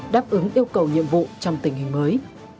đáp ứng yêu cầu nhiệm vụ trong tình hình mới